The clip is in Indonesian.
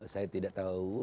saya tidak tahu